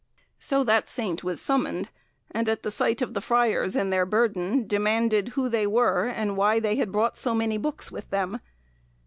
So that saint was summoned, and at sight of the friars and their burden demanded who they were, and why they had brought so many books with them.